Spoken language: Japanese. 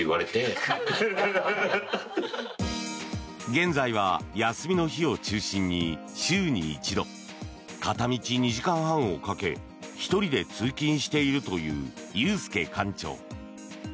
現在は休みの日を中心に週に１度片道２時間半をかけ１人で通勤しているという裕介館長。